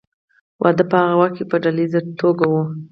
واده په هغه وخت کې په ډله ایزه توګه و.